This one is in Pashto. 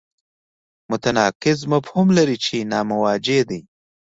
متناقض مفهوم لري چې ناموجه دی.